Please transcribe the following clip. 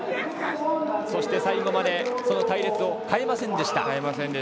そして最後まで隊列を変えませんでした。